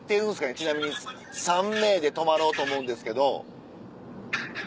ちなみに３名で泊まろうと思うんですけど。